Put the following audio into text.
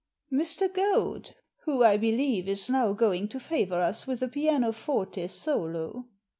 " Mr. Goad, who, I believe, is now going to favour us with a pianoforte solo."